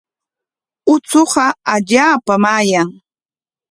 Uchuqa allaapam ayan.